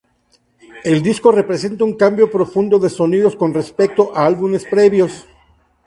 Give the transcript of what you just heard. El disco representa un cambio profundo de sonido con respecto a álbumes previos.